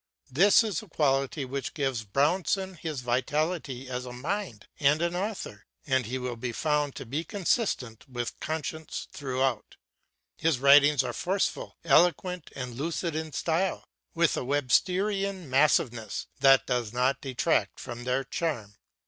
This is the quality which gives Brownson his vitality as a mind and an author; and he will be found to be consistent with conscience throughout. His writings are forceful, eloquent, and lucid in style, with a Websterian massiveness that does not detract from their charm.